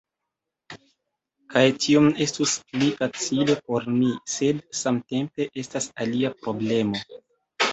Kaj tiom estus pli facile por mi, sed samtempe estas alia problemo